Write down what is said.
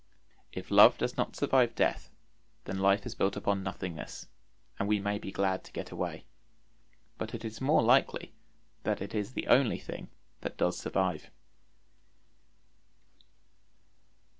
If love does not survive death, then life is built upon nothingness, and we may be glad to get away; but it is more likely that it is the only thing that does survive.